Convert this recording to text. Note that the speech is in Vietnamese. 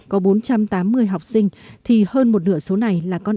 có bốn trăm tám mươi học sinh thì hơn một nửa số này là con em